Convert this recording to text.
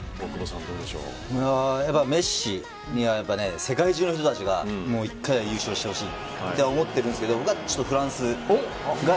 メッシには世界中の人たちが１回は優勝してほしいって思っていますが僕はフランス。